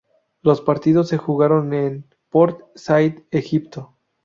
Los partidos se jugaron en Port Said, Egipto.